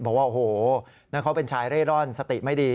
บอกว่าโอ้โหแล้วเขาเป็นชายเร่ร่อนสติไม่ดี